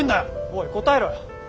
おい答えろよ。